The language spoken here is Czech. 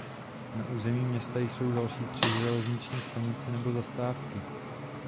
Na území města jsou další tři železniční stanice nebo zastávky.